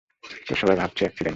তো, সবাই ভাবছে অ্যাকসিডেন্ট।